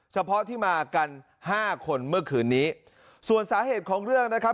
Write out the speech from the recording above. เฉพาะที่มากันห้าคนเมื่อคืนนี้ส่วนสาเหตุของเรื่องนะครับ